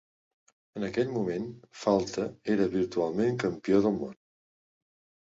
En aquell moment, Falta era virtualment Campió del Món.